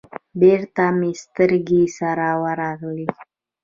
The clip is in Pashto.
بېرته مې سترگې سره ورغلې.